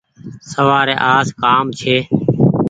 سوآر آس ڪآم ڇي۔